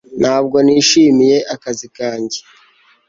Ntabwo nishimiye akazi kanjye